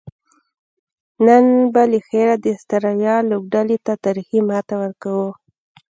نن به لخیره د آسترالیا لوبډلې ته تاریخي ماته ورکوو